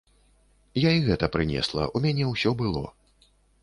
Я і гэта прынесла, у мяне ўсё было.